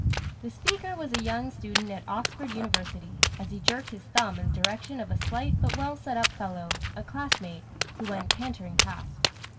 The speaker was a young student at Oxford University, as he jerked his thumb in the direction of a slight but well set up fellow, a classmate, who went cantering past.